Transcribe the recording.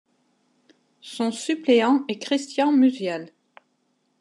Son suppléant est Christian Musial.